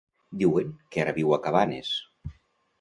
Diuen que ara viu a Cabanes.